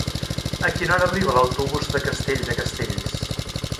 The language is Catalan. A quina hora arriba l'autobús de Castell de Castells?